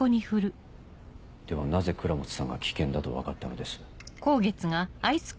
ではなぜ倉持さんが危険だと分かったのです？